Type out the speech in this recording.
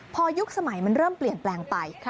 พอยุคสมัยมันเริ่มเปลี่ยนแปลงไป